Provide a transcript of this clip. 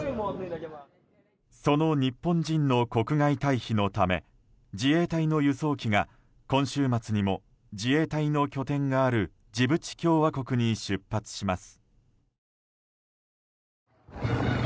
その日本人の国外退避のため自衛隊の輸送機が今週末にも自衛隊の拠点があるジブチ共和国に出発します。